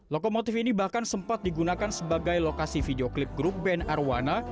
lokomotif ini bahkan sempat digunakan sebagai lokasi video klip grup band arwana